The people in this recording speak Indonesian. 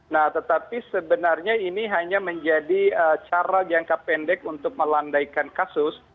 nah tetapi sebenarnya ini hanya menjadi cara jangka pendek untuk melandaikan kasus